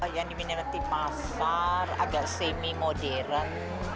yang diminati pasar agak semi modern